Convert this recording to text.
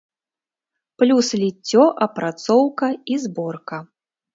Плюс ліццё, апрацоўка і зборка.